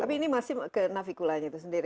tapi ini masih ke naviculanya itu sendiri